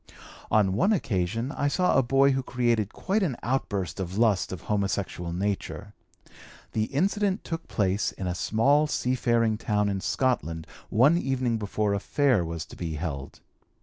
"On one occasion I saw a boy who created quite an outburst of lust of homosexual nature. The incident took place in a small seafaring town in Scotland one evening before a Fair was to be held.